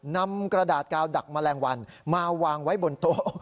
นำกระดาษกาวดักแมลงวันมาวางไว้บนโต๊ะ